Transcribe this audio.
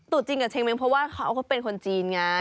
ตัวจริงกับเชงเม้งเพราะว่าเขาก็เป็นคนจีนไง